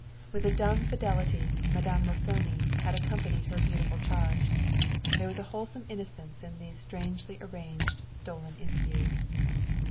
With a dumb fidelity Madame Raffoni had accompanied her beautiful charge. There was a wholesome innocence in these strangely arranged stolen interviews.